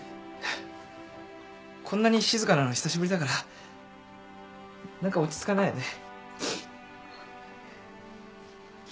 こんなに静かなの久しぶりだから何か落ち着かないよね。